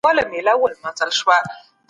ډارن خلګ طالع نه لري.